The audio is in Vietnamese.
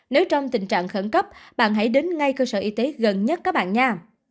nếu trong tình trạng khẩn cấp bạn hãy đến ngay cơ sở y tế gần nhất các bạn nhà